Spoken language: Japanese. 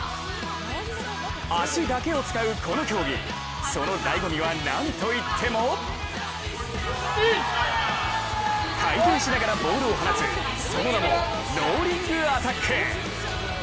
足だけを使うこの競技そのだいご味はなんと言っても回転しながらボールを放つその名もローリングアタック。